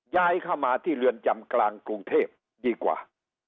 ย้ายเข้ามาที่เรือนจำกลางกรุงเทพดีกว่า